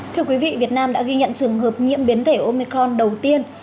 thưa quý vị việt nam đã ghi nhận trường hợp nhiễm biến thể omicron đầu tiên